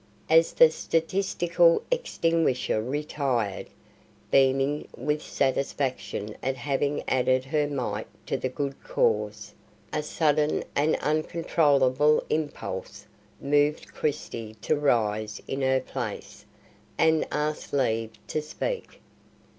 As the statistical extinguisher retired, beaming with satisfaction at having added her mite to the good cause, a sudden and uncontrollable impulse moved Christie to rise in her place and ask leave to speak.